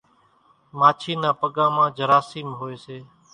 ماڇِي نان پڳان مان جراثيم هوئيَ سي۔